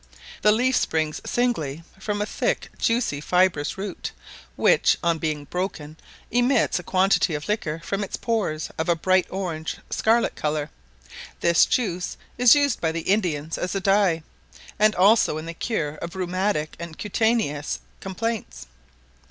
The leaf springs singly from a thick juicy fibrous root, which, on being broken, emits a quantity of liquor from its pores of a bright orange scarlet colour: this juice is used by the Indians as a dye, and also in the cure of rheumatic, and cutaneous complaints.